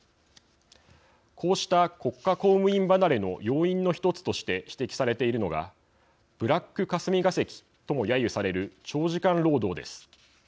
こうした国家公務員離れの要因の一つとして指摘されているのがブラック霞が関ともやゆされる長時間労働です。